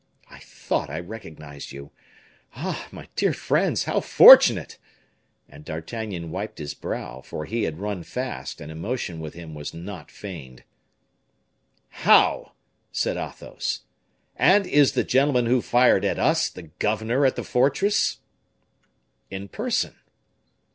I thought I recognized you. Ah! my dear friends, how fortunate!" And D'Artagnan wiped his brow, for he had run fast, and emotion with him was not feigned. "How!" said Athos. "And is the gentleman who fired at us the governor of the fortress?" "In person."